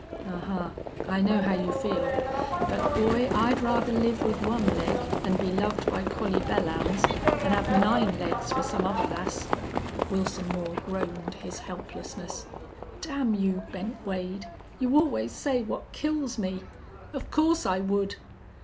"Ahuh!... I know how you feel. But, boy, I'd rather live with one leg an' be loved by Collie Belllounds than have nine legs for some other lass." Wilson Moore groaned his helplessness. "Damn you, Bent Wade! You always say what kills me!... Of course I would!"